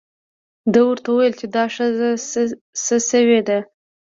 ده ورته وویل چې دا ښځه څه شوې ده.